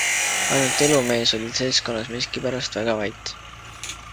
Ainult Elumees oli seltskonnas miskipärast väga vait.